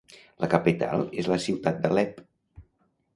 La capital és la ciutat d'Alep.